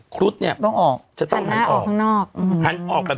คุดจะต้องหันออกข้างนอก